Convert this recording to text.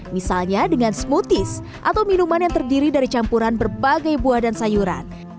misalnya dengan smoothies atau minuman yang terdiri dari campuran berbagai buah dan sayuran